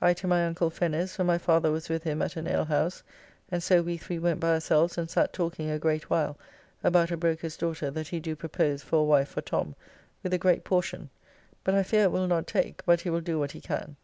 I to my uncle Fenner's, where my father was with him at an alehouse, and so we three went by ourselves and sat talking a great while about a broker's daughter that he do propose for a wife for Tom, with a great portion, but I fear it will not take, but he will do what he can.